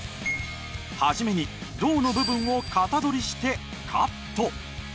初めに胴の部分を型取りしてカット。